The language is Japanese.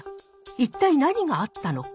一体何があったのか？